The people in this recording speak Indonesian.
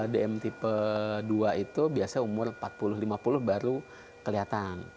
dm tipe dua itu biasanya umur empat puluh lima puluh baru kelihatan